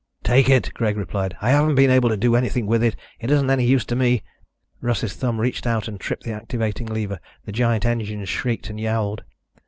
"Take it." Greg replied. "I haven't been able to do anything with it. It isn't any use to me." Russ's thumb reached out and tripped the activating lever. The giant engines shrieked and yowled.